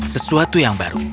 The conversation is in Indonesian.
sesuatu yang baru